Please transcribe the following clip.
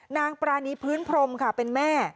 นางปรานีพื้นพรมค่ะเป็นแม่